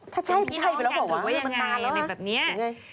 ถ้าใช่ไปแล้วบอกว่านี่มันต้านแล้วฮะ